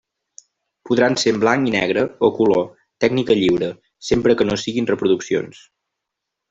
Podran ser en blanc i negre o color, tècnica lliure, sempre que no siguen reproduccions.